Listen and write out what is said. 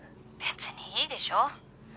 「別にいいでしょ」